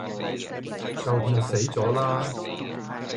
舊電死咗啦